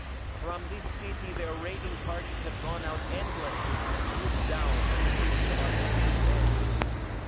"From this city their raiding parties have gone out endlessly to swoop down on the cities of us green men.